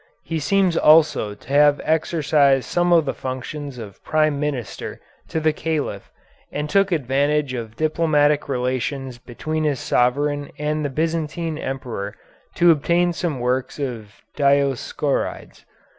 He seems also to have exercised some of the functions of Prime Minister to the Caliph, and took advantage of diplomatic relations between his sovereign and the Byzantine Emperor to obtain some works of Dioscorides.